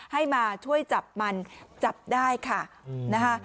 ให้มาช่วยจับมันจับได้ค่ะนะคะ